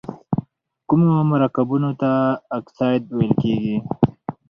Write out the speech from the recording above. کومو مرکبونو ته اکساید ویل کیږي؟